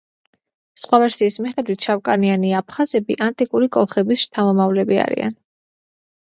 სხვა ვერსიის მიხედვით შავკანიანი აფხაზები ანტიკური კოლხების შთამომავლები არიან.